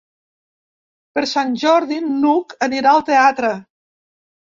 Per Sant Jordi n'Hug anirà al teatre.